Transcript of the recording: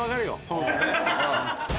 そうですね。